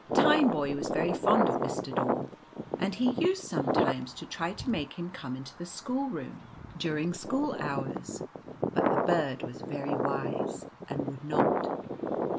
Tineboy was very fond of Mr. Daw and he used sometimes to try to make him come into the schoolroom 104 Tineboy is uncomfortable. during school hours. But the bird was very wise, and would not.